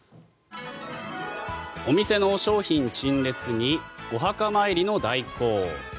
お店の商品陳列にお墓参りの代行。